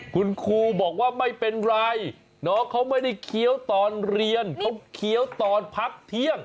คุณครูบอกว่าไม่เป็นไรน้องเขาไม่ได้เคี้ยวตอนเรียนเขาเคี้ยวตอนพักเที่ยง